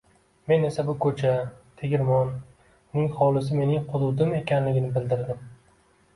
Men esa bu ko‘cha, tegirmon, uning hovlisi mening hududim ekanligini bildirdim